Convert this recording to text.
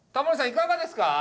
いかがですか？